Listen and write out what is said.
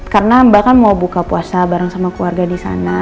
karena mbak kan mau buka puasa bareng sama keluarga disana